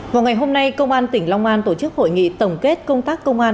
vào ngày hôm nay công an tỉnh long an tổ chức hội nghị tổng kết công tác công an